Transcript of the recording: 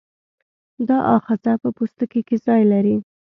دا آخذه په پوستکي کې ځای لري.